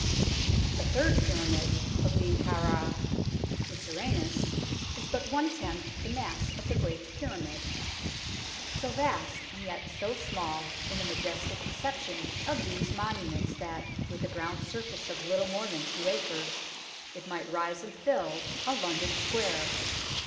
The Third Pyramid of Men kau Ra (Mycerinus) is but one tenth the mass of the Great Pyramid so vast THE BONES OF MEN KAU RA 143 and yet so small in the majestic conception of these monuments that, with a ground surface of little more than two acres, it might rise from and fill a London square.